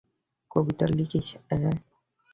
কবিতা লিখিস, অ্যাঁ?